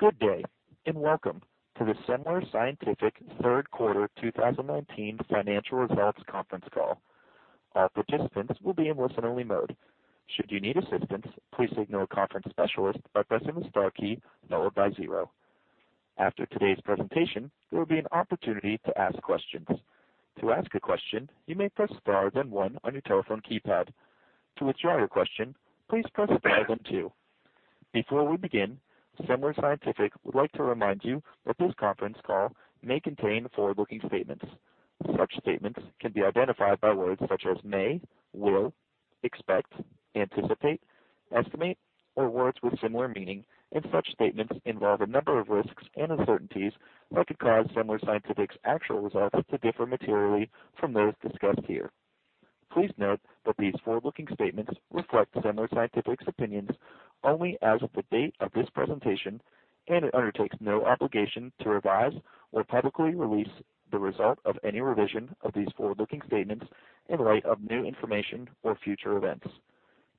Good day, welcome to the Semler Scientific Third Quarter 2019 Financial Results Conference Call. All participants will be in listen-only mode. Should you need assistance, please signal a conference specialist by pressing the star key followed by 0. After today's presentation, there will be an opportunity to ask questions. To ask a question, you may press star then 1 on your telephone keypad. To withdraw your question, please press star then 2. Before we begin, Semler Scientific would like to remind you that this conference call may contain forward-looking statements. Such statements can be identified by words such as may, will, expect, anticipate, estimate, or words with similar meaning, and such statements involve a number of risks and uncertainties that could cause Semler Scientific's actual results to differ materially from those discussed here. Please note that these forward-looking statements reflect Semler Scientific's opinions only as of the date of this presentation, and it undertakes no obligation to revise or publicly release the result of any revision of these forward-looking statements in light of new information or future events.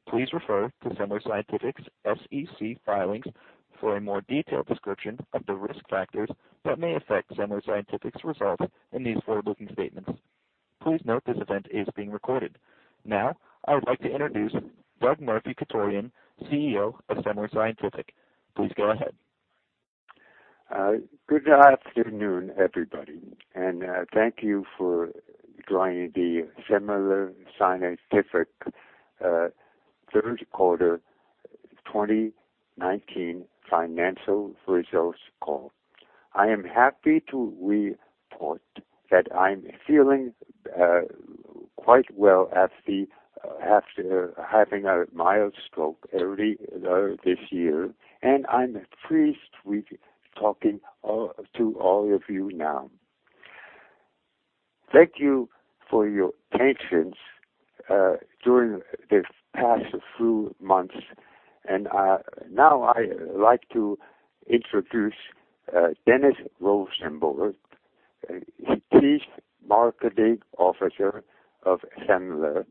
Please refer to Semler Scientific's SEC filings for a more detailed description of the risk factors that may affect Semler Scientific's results in these forward-looking statements. Please note this event is being recorded. Now, I would like to introduce Doug Murphy-Chutorian, CEO of Semler Scientific. Please go ahead. Good afternoon, everybody, and thank you for joining the Semler Scientific Third Quarter 2019 Financial Results Call. I am happy to report that I'm feeling quite well after having a mild stroke earlier this year, and I'm pleased with talking to all of you now. Thank you for your patience during this past few months. Now I'd like to introduce Dennis Rosenberg, the Chief Marketing Officer of Semler,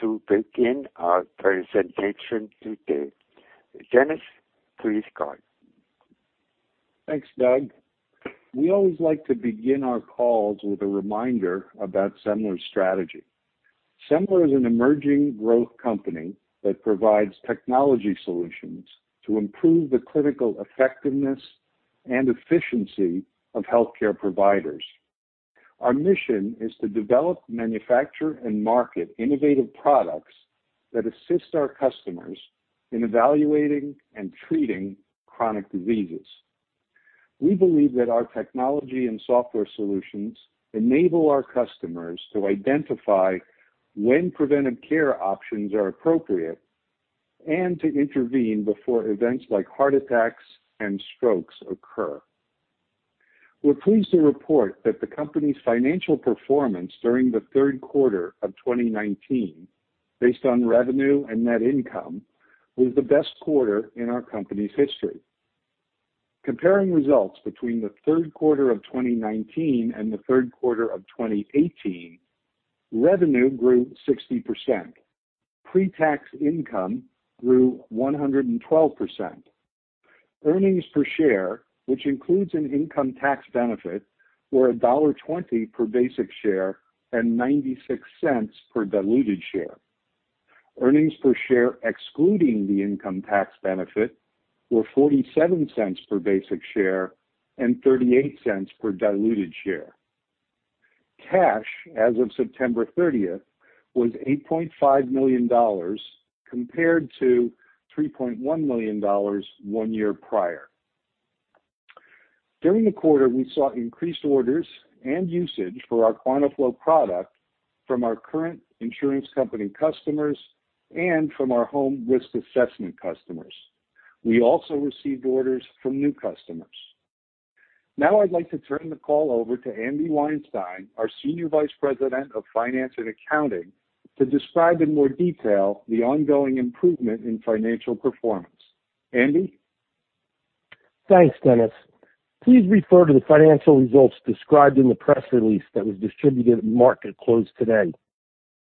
to begin our presentation today. Dennis, please go ahead. Thanks, Doug. We always like to begin our calls with a reminder about Semler's strategy. Semler is an emerging growth company that provides technology solutions to improve the clinical effectiveness and efficiency of healthcare providers. Our mission is to develop, manufacture, and market innovative products that assist our customers in evaluating and treating chronic diseases. We believe that our technology and software solutions enable our customers to identify when preventive care options are appropriate and to intervene before events like heart attacks and strokes occur. We're pleased to report that the company's financial performance during the third quarter of 2019, based on revenue and net income, was the best quarter in our company's history. Comparing results between the third quarter of 2019 and the third quarter of 2018, revenue grew 60%. Pre-tax income grew 112%. Earnings per share, which includes an income tax benefit, were $1.20 per basic share and $0.96 per diluted share. Earnings per share excluding the income tax benefit were $0.47 per basic share and $0.38 per diluted share. Cash as of September 30th was $8.5 million compared to $3.1 million one year prior. During the quarter, we saw increased orders and usage for our QuantaFlo product from our current insurance company customers and from our home risk assessment customers. We also received orders from new customers. I'd like to turn the call over to Andy Weinstein, our Senior Vice President of Finance and Accounting, to describe in more detail the ongoing improvement in financial performance. Andy? Thanks, Dennis. Please refer to the financial results described in the press release that was distributed at market close today.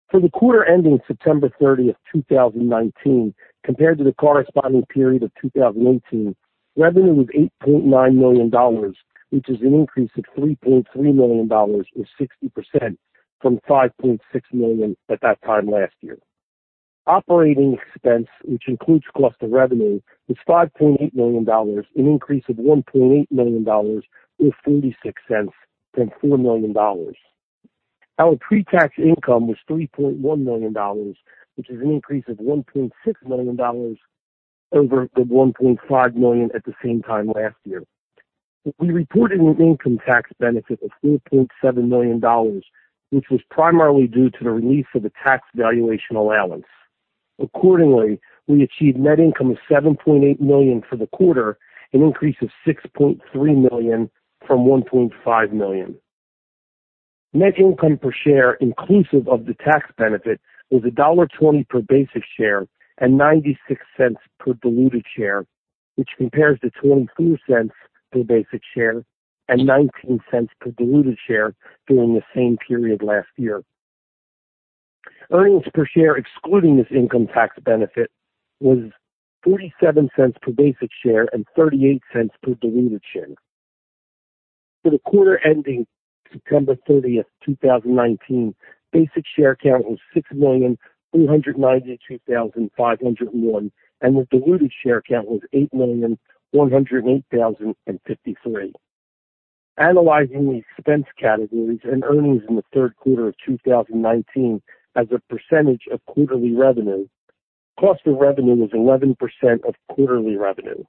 For the quarter ending September 30th, 2019 compared to the corresponding period of 2018, revenue was $8.9 million, which is an increase of $3.3 million or 60% from $5.6 million at that time last year. Operating expense, which includes cost of revenue, was $5.8 million, an increase of $1.8 million or $0.36 from $4 million. Our pre-tax income was $3.1 million, which is an increase of $1.6 million over the $1.5 million at the same time last year. We reported an income tax benefit of $4.7 million, which was primarily due to the release of a tax valuation allowance. Accordingly, we achieved net income of $7.8 million for the quarter, an increase of $6.3 million from $1.5 million. Net income per share inclusive of the tax benefit was $1.20 per basic share and $0.96 per diluted share, which compares to $0.22 per basic share and $0.19 per diluted share during the same period last year. Earnings per share excluding this income tax benefit was $0.47 per basic share and $0.38 per diluted share. For the quarter ending September 30th, 2019, basic share count was 6,393,501, and the diluted share count was 8,108,053. Analyzing the expense categories and earnings in the third quarter of 2019 as a percentage of quarterly revenue, cost of revenue was 11% of quarterly revenue.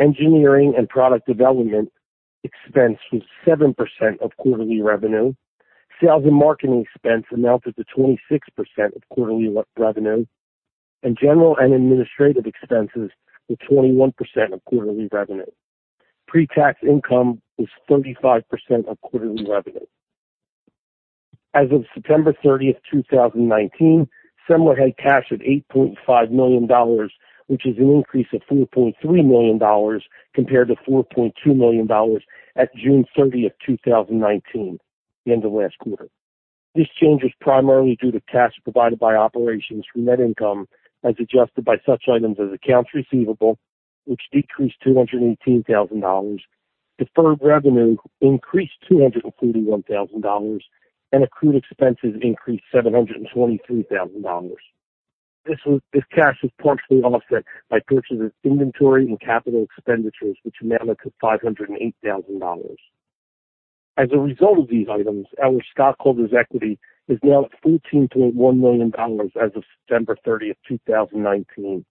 Engineering and product development expense was 7% of quarterly revenue. Sales and marketing expense amounted to 26% of quarterly revenue, and general and administrative expenses were 21% of quarterly revenue. Pre-tax income was 35% of quarterly revenue. As of September 30th, 2019, Semler had cash of $8.5 million, which is an increase of $4.3 million compared to $4.2 million at June 30th, 2019, the end of last quarter. This change was primarily due to cash provided by operations from net income, as adjusted by such items as accounts receivable, which decreased $218,000. Deferred revenue increased $231,000, and accrued expenses increased $723,000. This cash was partially offset by purchases of inventory and capital expenditures, which amounted to $508,000. As a result of these items, our stockholders' equity is now at $14.1 million as of September 30th, 2019.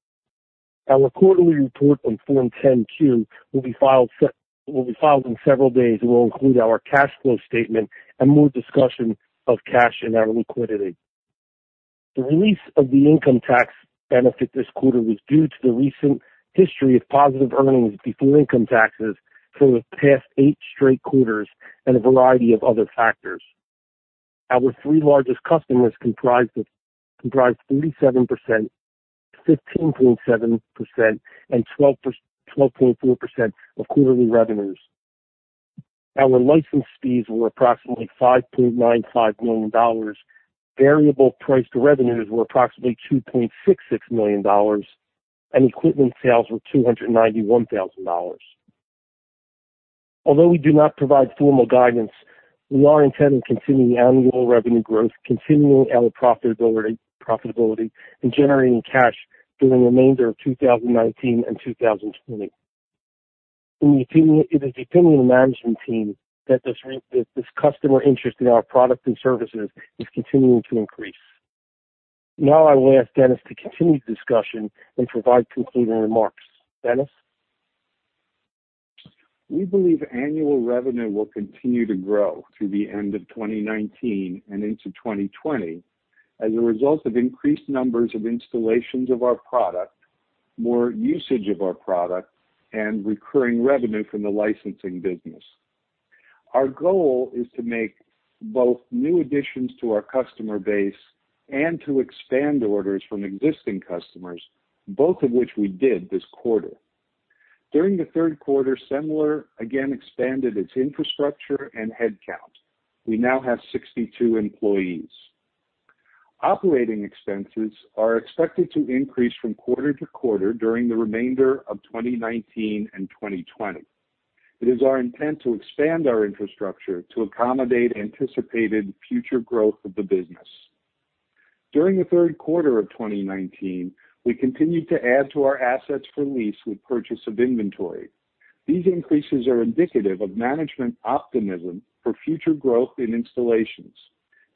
Our quarterly report on Form 10-Q will be filed in several days and will include our cash flow statement and more discussion of cash and our liquidity. The release of the income tax benefit this quarter was due to the recent history of positive earnings before income taxes for the past eight straight quarters and a variety of other factors. Our three largest customers comprised 37%, 15.7%, and 12.4% of quarterly revenues. Our license fees were approximately $5.95 million. Variable price to revenues were approximately $2.66 million, and equipment sales were $291,000. Although we do not provide formal guidance, we are intending continuing annual revenue growth, continuing our profitability, and generating cash through the remainder of 2019 and 2020. It is the opinion of the management team that this customer interest in our products and services is continuing to increase. I will ask Dennis to continue the discussion and provide concluding remarks. Dennis? We believe annual revenue will continue to grow through the end of 2019 and into 2020 as a result of increased numbers of installations of our product, more usage of our product, and recurring revenue from the licensing business. Our goal is to make both new additions to our customer base and to expand orders from existing customers, both of which we did this quarter. During the third quarter, Semler again expanded its infrastructure and headcount. We now have 62 employees. Operating expenses are expected to increase from quarter to quarter during the remainder of 2019 and 2020. It is our intent to expand our infrastructure to accommodate anticipated future growth of the business. During the third quarter of 2019, we continued to add to our assets for lease with purchase of inventory. These increases are indicative of management optimism for future growth in installations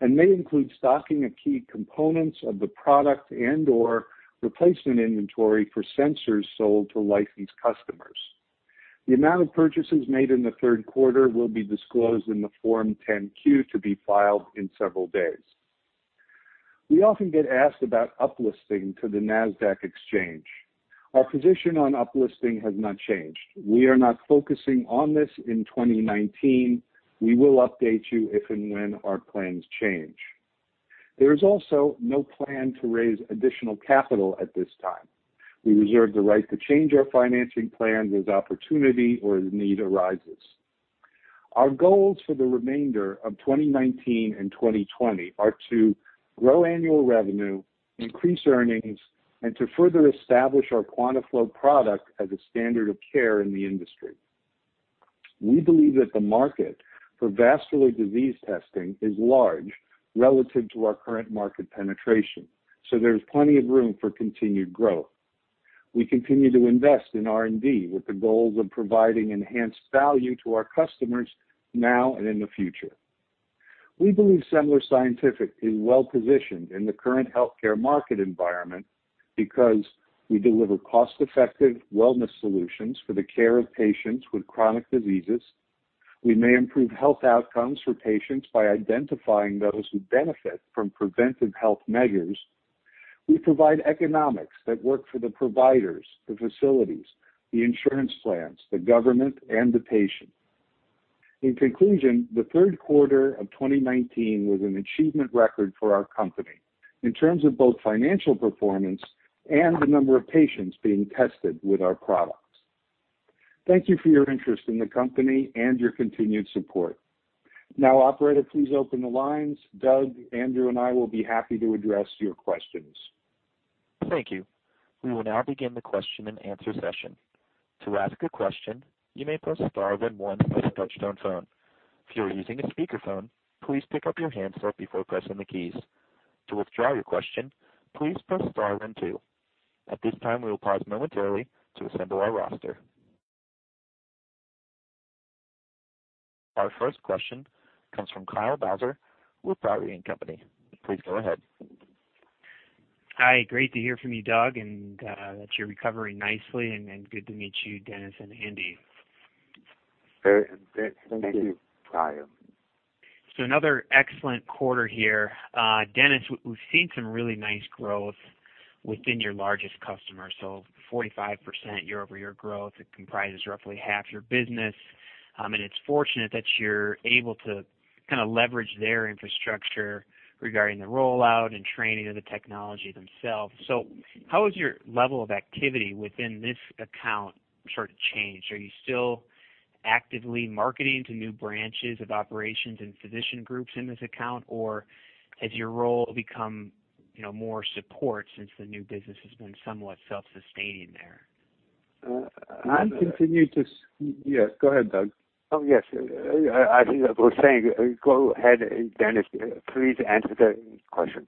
and may include stocking of key components of the product and/or replacement inventory for sensors sold to licensed customers. The amount of purchases made in the third quarter will be disclosed in the Form 10-Q to be filed in several days. We often get asked about up-listing to the Nasdaq Exchange. Our position on up-listing has not changed. We are not focusing on this in 2019. We will update you if and when our plans change. There is also no plan to raise additional capital at this time. We reserve the right to change our financing plans as opportunity or as need arises. Our goals for the remainder of 2019 and 2020 are to grow annual revenue, increase earnings, and to further establish our QuantaFlo product as a standard of care in the industry. We believe that the market for vascular disease testing is large relative to our current market penetration, so there's plenty of room for continued growth. We continue to invest in R&D with the goals of providing enhanced value to our customers now and in the future. We believe Semler Scientific is well-positioned in the current healthcare market environment because we deliver cost-effective wellness solutions for the care of patients with chronic diseases, we may improve health outcomes for patients by identifying those who benefit from preventive health measures. We provide economics that work for the providers, the facilities, the insurance plans, the government, and the patient. In conclusion, the third quarter of 2019 was an achievement record for our company in terms of both financial performance and the number of patients being tested with our products. Thank you for your interest in the company and your continued support. Now, operator, please open the lines. Doug, Andy, and I will be happy to address your questions. Thank you. We will now begin the question and answer session. To ask a question, you may press star then one on a touch-tone phone. If you are using a speakerphone, please pick up your handset before pressing the keys. To withdraw your question, please press star then two. At this time, we will pause momentarily to assemble our roster. Our first question comes from Kyle Bowser with [Power Ink Company]. Please go ahead. Hi. Great to hear from you, Doug, and that you're recovering nicely, and good to meet you, Dennis and Andy. Thank you. Thank you, Kyle. Another excellent quarter here. Dennis, we've seen some really nice growth within your largest customer. 45% year-over-year growth. It comprises roughly half your business. It's fortunate that you're able to leverage their infrastructure regarding the rollout and training of the technology themselves. How has your level of activity within this account sort of changed? Are you still actively marketing to new branches of operations and physician groups in this account, or has your role become more support since the new business has been somewhat self-sustaining there? Yes, go ahead, Doug. Oh, yes. I was saying, go ahead, Dennis, please answer the question.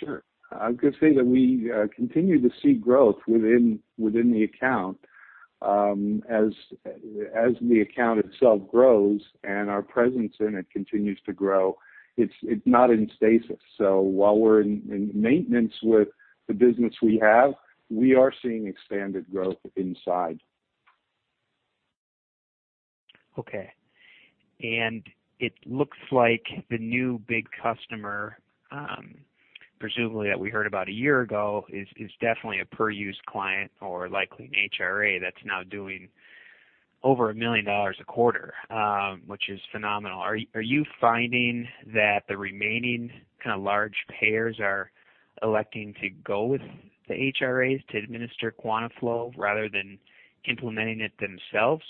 Sure. I could say that we continue to see growth within the account. As the account itself grows and our presence in it continues to grow, it's not in stasis. While we're in maintenance with the business we have, we are seeing expanded growth inside. Okay. It looks like the new big customer, presumably that we heard about a year ago, is definitely a per-use client or likely an HRA that's now doing over $1 million a quarter, which is phenomenal. Are you finding that the remaining large payers are electing to go with the HRAs to administer QuantaFlo rather than implementing it themselves?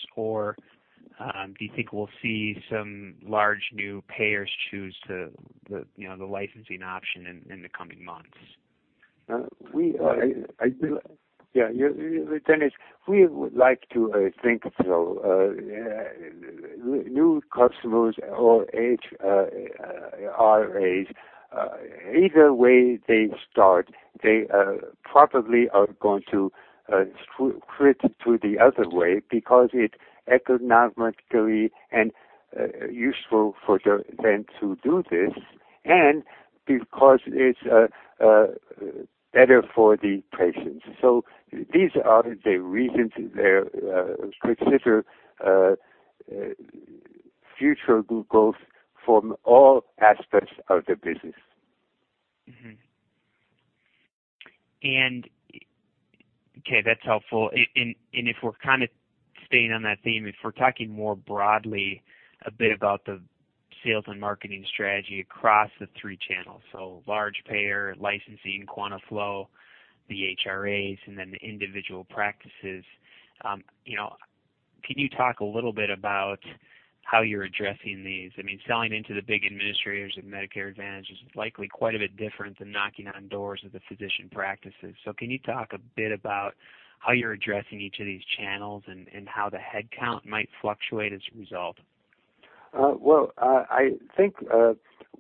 Do you think we'll see some large new payers choose the licensing option in the coming months? Yeah. Dennis, we would like to think so. New customers or HRAs, either way they start, they probably are going to switch to the other way because it's economically and useful for them to do this and because it's better for the patients. These are the reasons they consider future growth from all aspects of the business. Mm-hmm. Okay, that's helpful. If we're kind of staying on that theme, if we're talking more broadly a bit about the sales and marketing strategy across the three channels, so large payer licensing, QuantaFlo, the HRAs, and then the individual practices. Can you talk a little bit about how you're addressing these? Selling into the big administrators of Medicare Advantage is likely quite a bit different than knocking on doors of the physician practices. Can you talk a bit about how you're addressing each of these channels and how the headcount might fluctuate as a result? Well, I think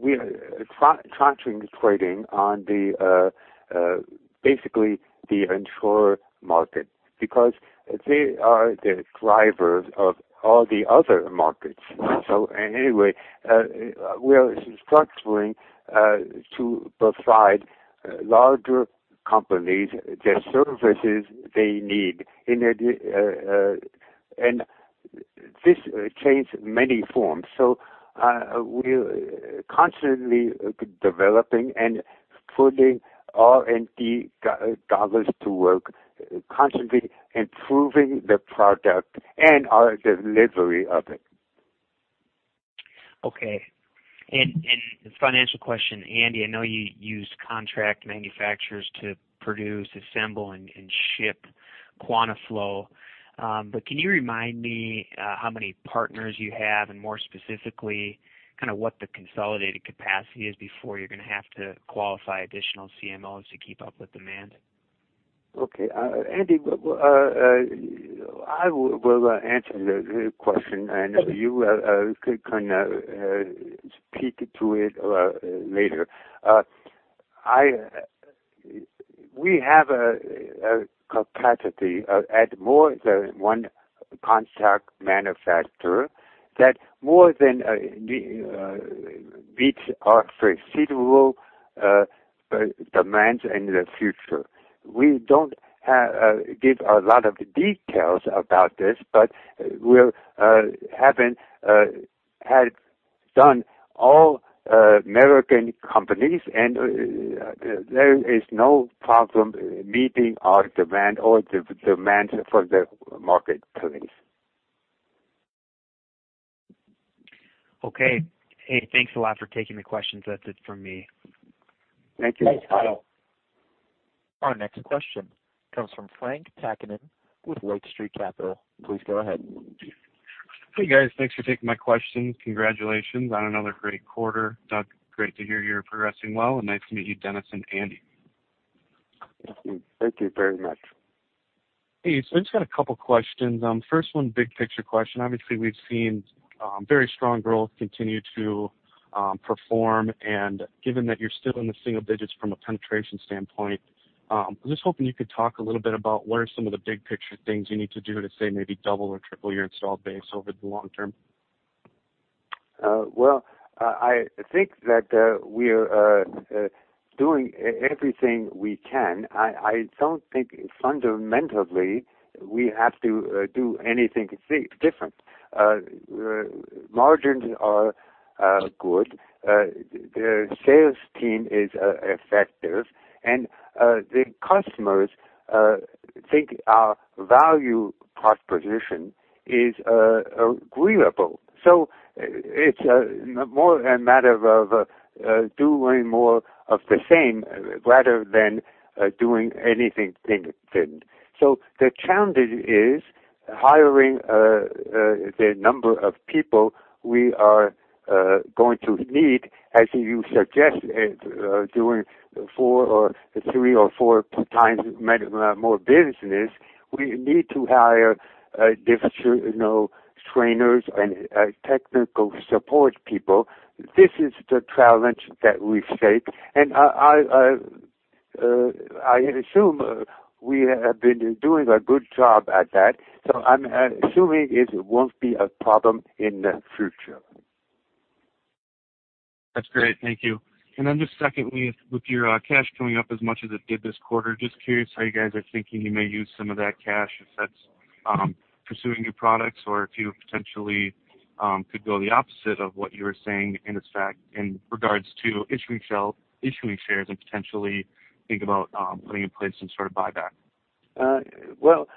we are concentrating on basically the insurer market because they are the drivers of all the other markets. Anyway, we are structuring to provide larger companies the services they need, and this takes many forms. We are constantly developing and putting R&D dollars to work, constantly improving the product and our delivery of it. Okay. A financial question. Andy, I know you use contract manufacturers to produce, assemble, and ship QuantaFlo. Can you remind me how many partners you have and more specifically, what the consolidated capacity is before you're going to have to qualify additional CMOs to keep up with demand? Okay. Andy, I will answer the question, and you could kind of speak to it later. We have a capacity at more than one contract manufacturer that more than meets our foreseeable demands in the future. We don't give a lot of details about this, but we have done all American companies, and there is no problem meeting our demand or the demand for the marketplace. Okay. Hey, thanks a lot for taking the questions. That's it from me. Thank you. Thanks, Kyle. Our next question comes from Frank Takinen with Lake Street Capital. Please go ahead. Hey, guys. Thanks for taking my questions. Congratulations on another great quarter. Doug, great to hear you're progressing well, and nice to meet you, Dennis and Andy. Thank you. Thank you very much. Hey, I just got a couple of questions. First one, big picture question. Obviously, we've seen very strong growth continue to perform, given that you're still in the single digits from a penetration standpoint, I'm just hoping you could talk a little bit about what are some of the big picture things you need to do to say maybe double or triple your install base over the long term. Well, I think that we're doing everything we can. I don't think fundamentally we have to do anything different. Margins are good. The sales team is effective, and the customers think our value proposition is agreeable. It's more a matter of doing more of the same rather than doing anything different. The challenge is hiring the number of people we are going to need, as you suggest, doing three or four times more business. We need to hire additional trainers and technical support people. This is the challenge that we face, and I assume we have been doing a good job at that, so I'm assuming it won't be a problem in the future. That's great. Thank you. Then just secondly, with your cash coming up as much as it did this quarter, just curious how you guys are thinking you may use some of that cash, if that's pursuing new products or if you potentially could go the opposite of what you were saying in regards to issuing shares and potentially think about putting in place some sort of buyback. Well,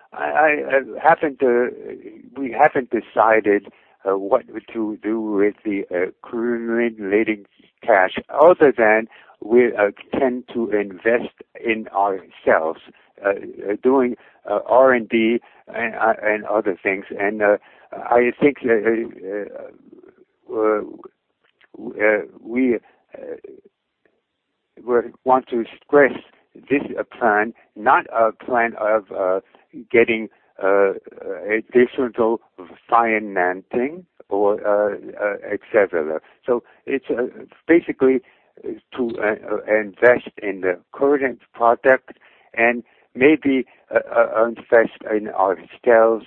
we haven't decided what to do with the accumulating cash other than we intend to invest in ourselves, doing R&D and other things. I think we want to stress this plan, not a plan of getting additional financing or et cetera. It's basically to invest in the current product and maybe invest in ourselves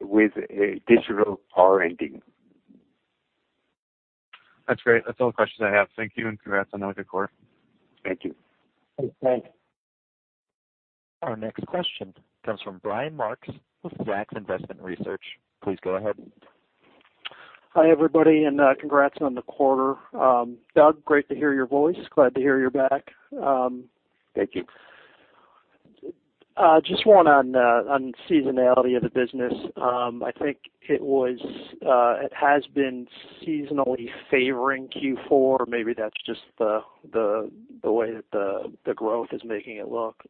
with digital R&D. That's great. That's all the questions I have. Thank you, and congrats on another good quarter. Thank you. Thanks, Frank. Our next question comes from Brian Marks with Zacks Investment Research. Please go ahead. Hi, everybody, and congrats on the quarter. Doug, great to hear your voice. Glad to hear you're back. Thank you. Just one on seasonality of the business. I think it has been seasonally favoring Q4, or maybe that's just the way that the growth is making it look.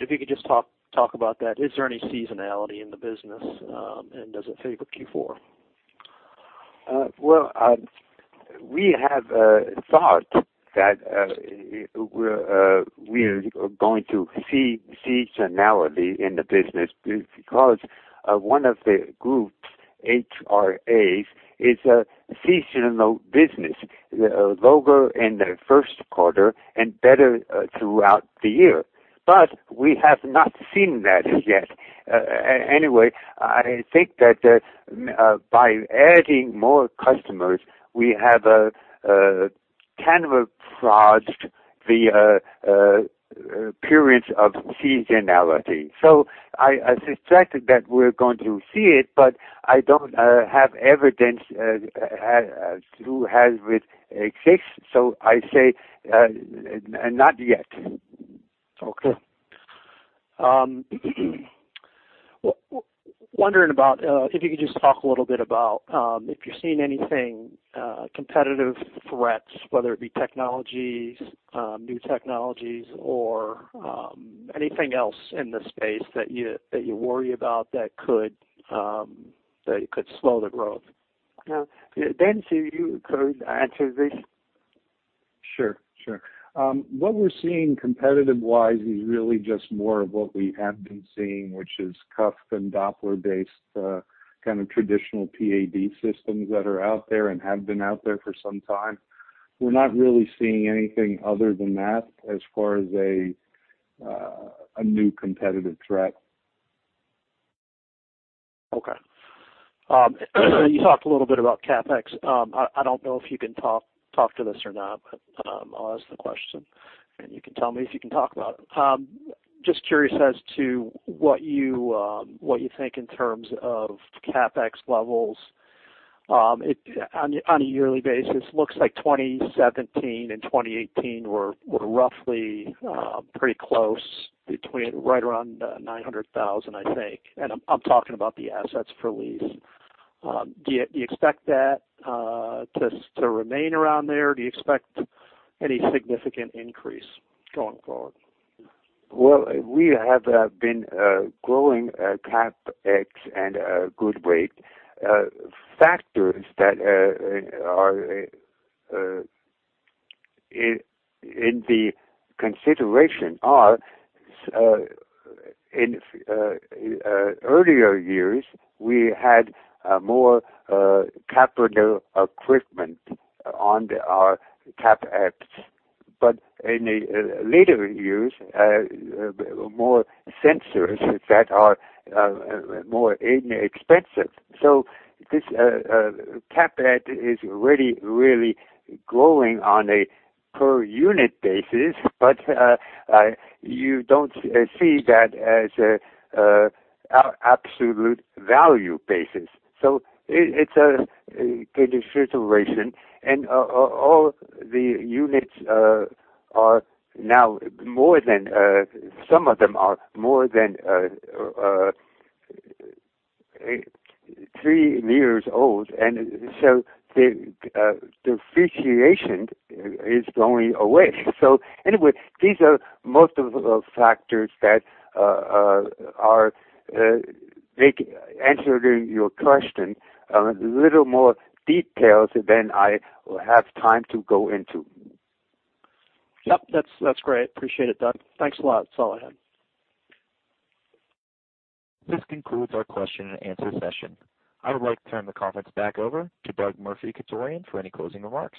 If you could just talk about that. Is there any seasonality in the business, and does it favor Q4? Well, we have thought that we're going to see seasonality in the business because one of the groups, HRAs, is a seasonal business, lower in the first quarter and better throughout the year. We have not seen that yet. Anyway, I think that by adding more customers, we have counterbalanced the periods of seasonality. I suspect that we're going to see it, but I don't have evidence to have it exist, so I say not yet. Okay. Wondering about if you could just talk a little bit about if you're seeing anything, competitive threats, whether it be technologies, new technologies or anything else in the space that you worry about that could slow the growth? Dennis, you could answer this. Sure. What we're seeing competitive-wise is really just more of what we have been seeing, which is cuff and Doppler-based kind of traditional PAD systems that are out there and have been out there for some time. We're not really seeing anything other than that as far as a new competitive threat. Okay. You talked a little bit about CapEx. I don't know if you can talk to this or not, but I'll ask the question, and you can tell me if you can talk about it. Just curious as to what you think in terms of CapEx levels on a yearly basis. Looks like 2017 and 2018 were roughly pretty close between right around $900,000, I think. I'm talking about the assets for lease. Do you expect that to remain around there? Do you expect any significant increase going forward? Well, we have been growing CapEx and a good rate. Factors that are in the consideration are, in earlier years, we had more capital equipment on our CapEx, but in the later years, more sensors that are more inexpensive. This CapEx is really growing on a per unit basis, but you don't see that as absolute value basis. It's a consideration, and all the units are now some of them are more than three years old, and so the depreciation is going away. Anyway, these are most of the factors that are answering your question a little more details than I have time to go into. Yep, that's great. Appreciate it, Doug. Thanks a lot. That's all I have. This concludes our question and answer session. I would like to turn the conference back over to Doug Murphy-Chutorian for any closing remarks.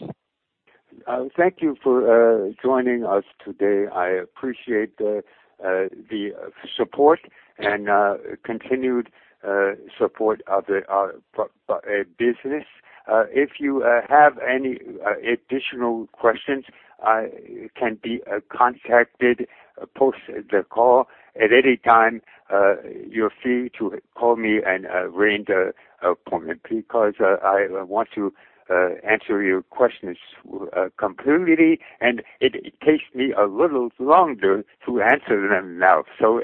Thank you for joining us today. I appreciate the support and continued support of our business. If you have any additional questions, I can be contacted post the call at any time. You are free to call me and arrange the appointment because I want to answer your questions completely, and it takes me a little longer to answer them now, so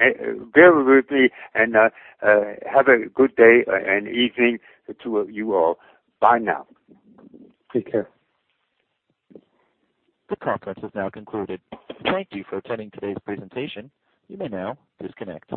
bear with me, and have a good day and evening to you all. Bye now. Take care. The conference is now concluded. Thank you for attending today's presentation. You may now disconnect.